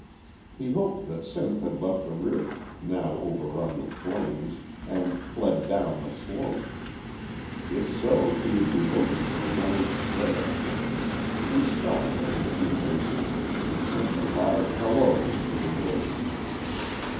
He hoped that Sinth had left the ridge, now overrun with flames, and fled down the slope. If so she would be looking for Leonard's Trail. He stopped every few paces and sent a loud halloo into the woods.